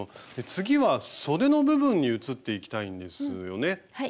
次はそでの部分に移っていきたいんですよね？